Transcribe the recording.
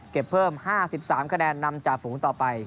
เพิ่ม๕๓คะแนนนำจากฝูงต่อไป